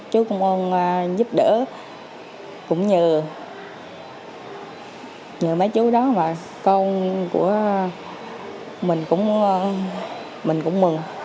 chú công an giúp đỡ cũng như mấy chú đó và công của mình cũng mừng